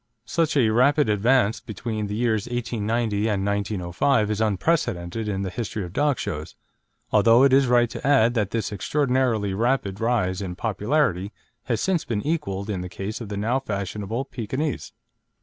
Such a rapid advance between the years 1890 and 1905 is unprecedented in the history of dog shows, although it is right to add that this extraordinarily rapid rise into popularity has since been equalled in the case of the now fashionable Pekinese.